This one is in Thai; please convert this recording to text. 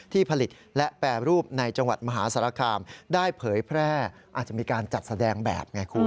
ที่ผลิตและแปรรูปในจังหวัดมหาสารคามได้เผยแพร่อาจจะมีการจัดแสดงแบบไงคุณ